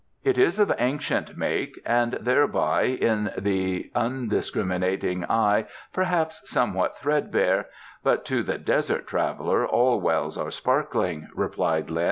"It is of ancient make, and thereby in the undiscriminating eye perhaps somewhat threadbare; but to the desert traveller all wells are sparkling," replied Lin.